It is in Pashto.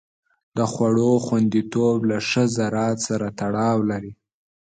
د خوړو خوندیتوب له ښه زراعت سره تړاو لري.